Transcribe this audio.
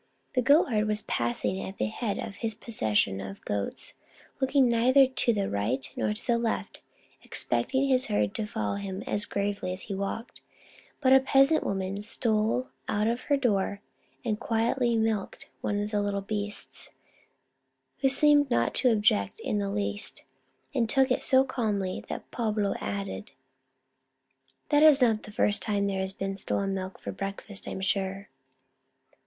" The goatherd was passing at the head of his procession of goats, looking neither to the right nor to the left, expecting his herd to follow him as gravely as he walked ; but a peasant woman stole out of her door, and quietly milked one of the little beasts, who seemed not to object in the least, and took it so calmly that Pablo added, "That is not the first time there has been stolen milk for break fast, I'm sure."